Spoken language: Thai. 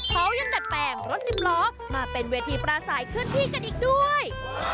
เขายังดัดแปลงรถสิบล้อมาเป็นเวทีปราศัยเคลื่อนที่กันอีกด้วย